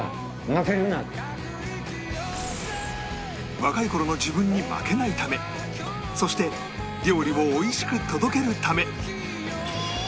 若い頃の自分に負けないためそして料理を美味しく届けるため